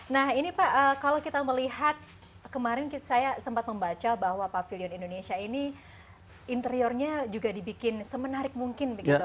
nah ini pak kalau kita melihat kemarin saya sempat membaca bahwa pavilion indonesia ini interiornya juga dibikin semenarik mungkin begitu